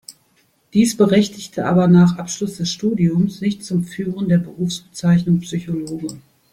Dies berechtigte aber nach Abschluss des Studiums nicht zum Führen der Berufsbezeichnung „Psychologe“.